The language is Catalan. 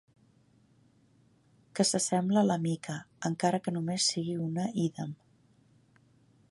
Que s'assembla a la mica, encara que només sigui una ídem.